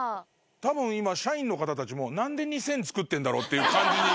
たぶん今社員の方たち何で２，０００作ってんだろうっていう感じに。